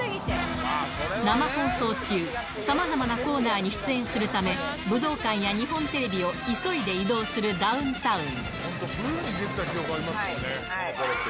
生放送中、さまざまなコーナーに出演するため、武道館や日本テレビを急いで移動するダウンタウン。